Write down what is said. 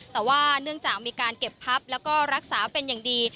แต่ว่าเนื่องจากมีการเก็บพับแล้วก็รักษาเป็นอย่างดี